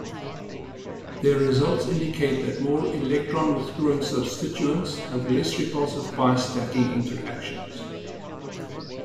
Their results indicate that more electron-withdrawing substituents have less repulsive pi stacking interactions.